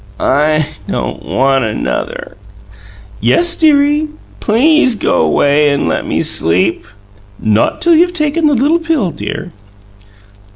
"I don't WANT another." "Yes, dearie." "Please go 'way and let me sleep." "Not till you've taken the little pill, dear."